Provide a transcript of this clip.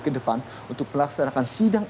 ke depan untuk melaksanakan sidang